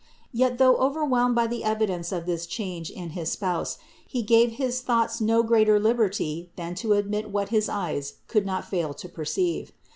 Yet, though overwhelmed by the evidence of this change in his Spouse, he gave his thoughts no greater liberty than to admit what his eyes could not fail to perceive.